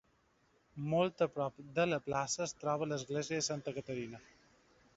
Molt a prop de la plaça es troba l'església de Santa Caterina.